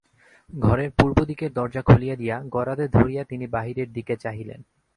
ঘরের পূর্বদিকের দরজা খুলিয়া দিয়া গরাদে ধরিয়া তিনি বাহিরের দিকে চাহিলেন।